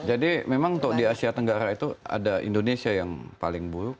jadi memang untuk di asia tenggara itu ada indonesia yang paling buruk